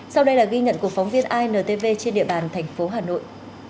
sau đây là ghi nhận của phóng viên intv trên địa bàn thành phố hà nội